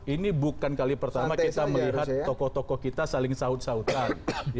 ini bukan kali pertama kita melihat tokoh tokoh kita saling sahut sahutan